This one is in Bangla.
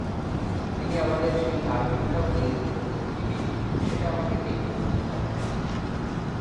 তিনি আমাদের সেই আর্গিনটাও নিয়ে যেতে বলেছেন দিদি, সেটা আমাকে দিয়ো–আমি ভাঙব না।